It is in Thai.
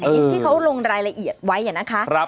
ที่เขาลงรายละเอียดไว้อย่างนั้นค่ะ